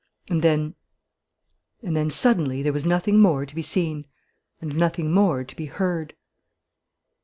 And then and then, suddenly, there was nothing more to be seen and nothing more to be heard.